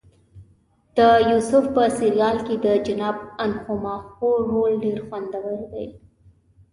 د یوسف په سریال کې د جناب انخماخو رول ډېر خوندور دی.